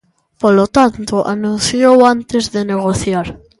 Polo tanto, anunciou antes de negociar.